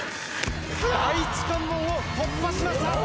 第１関門を突破しました。